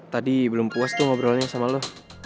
tadi belum puas tuh ngobrolnya sama lo